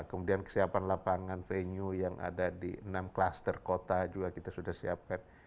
kemudian kesiapan lapangan venue yang ada di enam klaster kota juga kita sudah siapkan